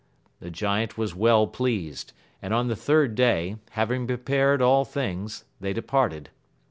The giant was well pleased, and on the third day, having prepared all things, they departed.